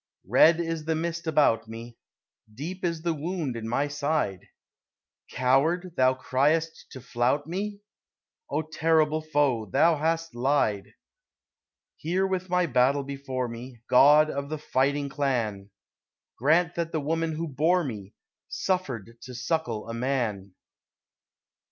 Red is the mist about me; Deep is the wound in my side; "Coward" thou criest to flout me? O terrible Foe, thou hast lied! Here with my battle before me, God of the fighting Clan, Grant that the woman who bore me Suffered to suckle a Man!